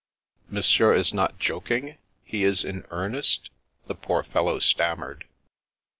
"Monsieur is not joking? He is in earnest?" the poor fellow stammered.